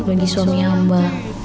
bagi suami hamba